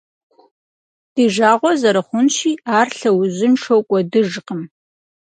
Ди жагъуэ зэрыхъунщи, ар лъэужьыншэу кӏуэдыжкъым.